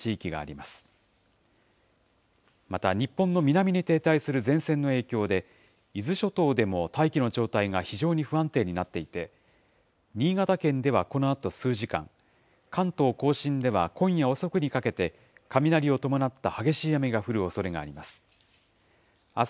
また日本の南に停滞する前線の影響で、伊豆諸島でも大気の状態が非常に不安定になっていて、新潟県ではこのあと数時間、関東甲信では今夜遅くにかけて、雷を伴った激しい雨が降るおそれがあります。